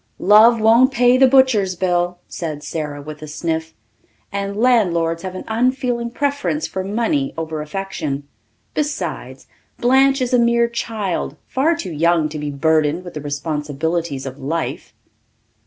"Love won't pay the butcher's bill," said Sara with a sniff, "and landlords have an unfeeling preference for money over affection. Besides, Blanche is a mere child, far too young to be burdened with the responsibilities of life."